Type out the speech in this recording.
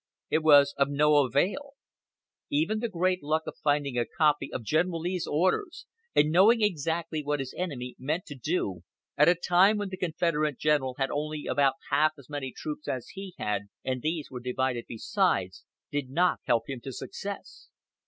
It was of no avail. Even the great luck of finding a copy of General Lee's orders and knowing exactly what his enemy meant to do, at a time when the Confederate general had only about half as many troops as he had, and these were divided besides, did not help him to success.